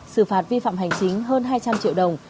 xử phạt vi phạm hành chính hơn hai trăm linh triệu đồng